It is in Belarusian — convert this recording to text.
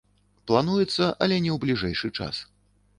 Плануецца, але не ў бліжэйшы час.